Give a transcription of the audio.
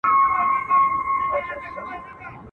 لکه ګل په پرېشانۍ کي مي خندا ده!